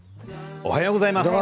おはようございます。